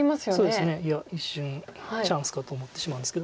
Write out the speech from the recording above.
そうですねいや一瞬チャンスかと思ってしまうんですけど。